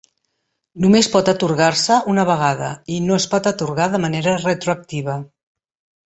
Només pot atorgar-se una vegada, i no es pot atorgar de manera retroactiva.